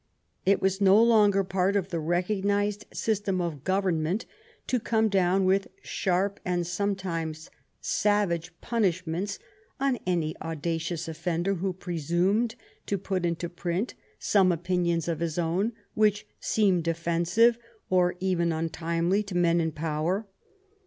It was no longer part of the recognized system of gov ernment to come down with sharp and sometimes savage punishments on any audacious offender who presumed to put into print some opinions of his own which seemed offensive or even untimely to men in power.